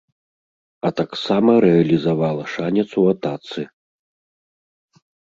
А таксама рэалізавала шанец у атацы.